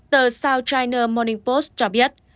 tờ south china morning post cho biết